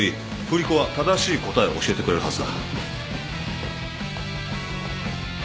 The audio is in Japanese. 振り子は正しい答えを教えてくれるはずだ。